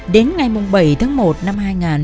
đến ngày bảy tháng một năm hai nghìn một mươi một